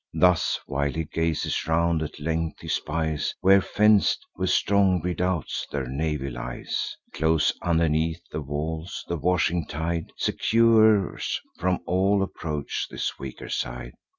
Thus while he gazes round, at length he spies, Where, fenc'd with strong redoubts, their navy lies, Close underneath the walls; the washing tide Secures from all approach this weaker side.